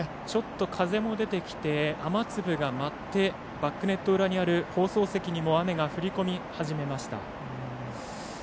風も出てきて雨粒が舞ってバックネット裏にある放送席にも雨が降りこみ始めました。